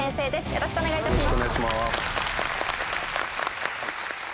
よろしくお願いします。